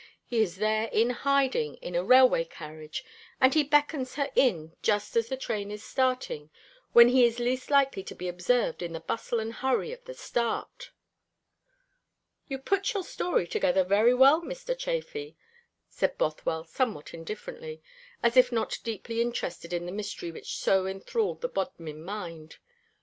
He is there in hiding in a railway carriage, and he beckons her in just as the train is starting, when he is least likely to be observed in the bustle and hurry of the start." "You put your story together very well, Mr. Chafy," said Bothwell somewhat indifferently, as if not deeply interested in the mystery which so enthralled the Bodmin mind.